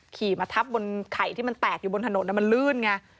ขี่มาทับบนไข่ที่มันแตกอยู่บนถนนมันลื่นไง